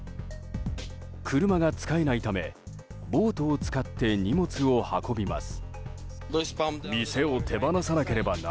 車がつかえないためボートを使って荷物を運びます。